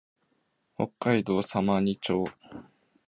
北海道様似町